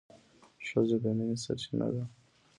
ښځه د مینې سرچینه ده.